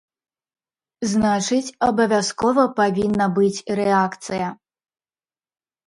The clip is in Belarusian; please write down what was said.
Значыць, абавязкова павінна быць рэакцыя.